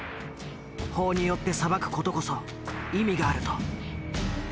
法によって裁く事こそ意味があると。